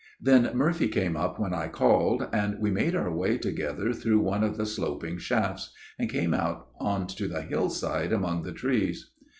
" Then Murphy came up when I called ; and we made our way together through one of the sloping shafts ; and came out on to the hillside among the trees."